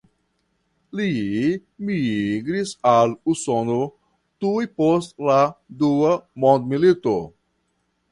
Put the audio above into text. Li migris al Usono tuj post la Dua Mondmilito.